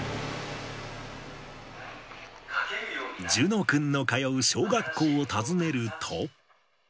諄之君の通う小学校を訪ねると。